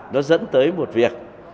nó dẫn tới một việc